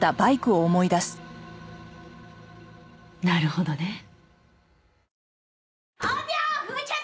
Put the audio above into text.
なるほどね。